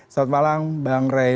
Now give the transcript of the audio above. selamat malam bang rai